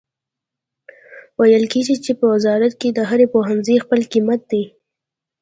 ویل کیږي چې په وزارت کې د هر پوهنځي خپل قیمت دی